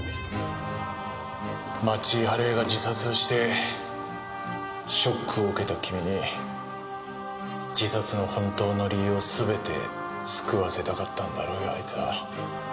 町井春枝が自殺してショックを受けた君に自殺の本当の理由を全てすくわせたかったんだろうよあいつは。